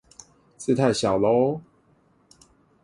字太小了